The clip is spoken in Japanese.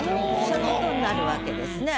そういうことになるわけですね。